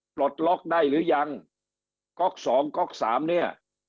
ปลดล็อกได้หรือยังก๊อกสองก๊อกสามเนี่ย